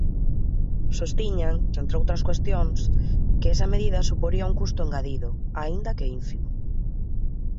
Sostiñan, entre outras cuestións, que esa medida suporía un custo engadido, aínda que ínfimo.